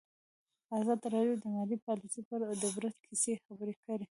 ازادي راډیو د مالي پالیسي په اړه د عبرت کیسې خبر کړي.